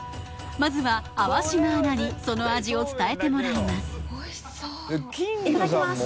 まずは粟島アナにその味を伝えてもらいますおいしそう！